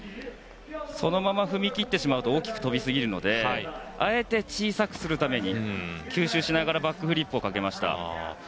そのまま踏み切ってしまうと大きく跳びすぎてしまうのであえて小さくするために吸収しながらバックフリップをかけました。